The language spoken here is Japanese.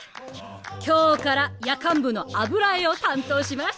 今日から夜間部の油絵を担当します